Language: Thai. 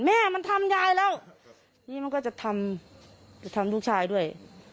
แม่มันทำยายแล้วนี่มันก็จะทำจะทำลูกชายด้วย